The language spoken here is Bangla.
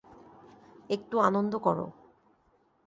একটু আনন্দ করো।